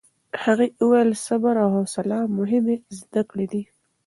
هغې ویلي، صبر او حوصله مهمې زده کړې دي.